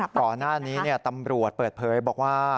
ก่อนหน้านี้ตำรวจเปิดเผยบอกว่า